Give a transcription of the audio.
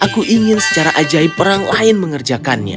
lagi aku ingin secara ajaib perang lain mengerjakannya